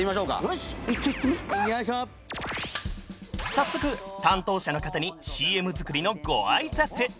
早速担当者の方にＣＭ作りのご挨拶